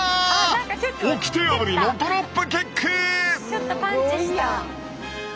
ちょっとパンチした。